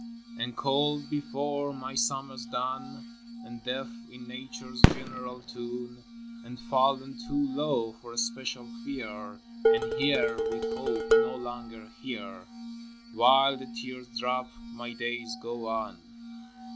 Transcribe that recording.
IV. And cold before my summer's done, And deaf in Nature's general tune, And fallen too low for special fear, And here, with hope no longer here, — While the tears drop, my days go on.